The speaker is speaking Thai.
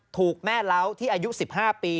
ถูกแม่เล้าที่อายุ๑๕ปี